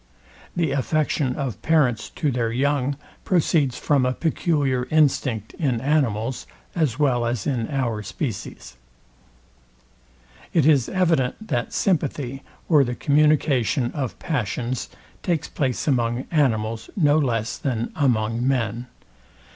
The affection of parents to their young proceeds from a peculiar instinct in animals, as well as in our species. It is evident, that sympathy, or the communication of passions, takes place among animals, no less than among men.